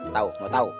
tahu mau tahu